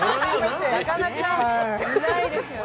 なかなかいないですよね。